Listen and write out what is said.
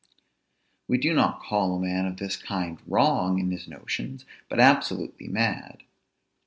We do not call a man of this kind wrong in his notions, but absolutely mad.